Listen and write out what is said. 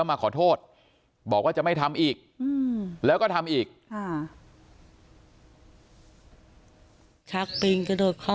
ส่วนนางสุธินนะครับบอกว่าไม่เคยคาดคิดมาก่อนว่าบ้านเนี่ยจะมาถูกภารกิจนะครับ